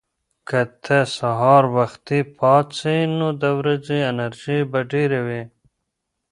که ته سهار وختي پاڅې، نو د ورځې انرژي به ډېره وي.